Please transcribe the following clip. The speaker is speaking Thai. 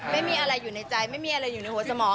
ไม่มีอะไรอยู่ในใจไม่มีอะไรอยู่ในหัวสมอง